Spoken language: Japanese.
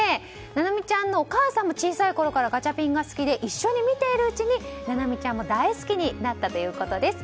七海ちゃんのお母さんも小さいころからガチャピンが好きで一緒に見ているうちに七海ちゃんも大好きになったということです。